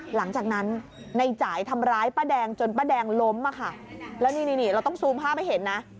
หลังจากนั้นในจ่ายทำร้ายป้าแดงจนป้าแดงล้มอ่ะค่ะแล้วนี่เราต้องซูมภาพให้เห็นนะ